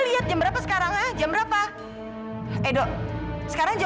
dia semua kalau merupakan ini